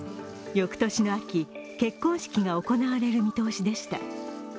翌年の秋、結婚式が行われる見通しでした。